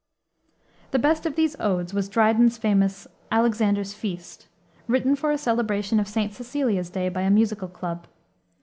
The best of these odes was Dryden's famous Alexander's Feast, written for a celebration of St. Cecilia's day by a musical club.